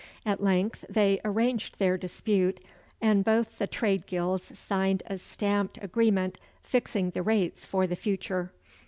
At length they arranged their dispute, and both the trade guilds signed a stamped agreement fixing the rates for the future.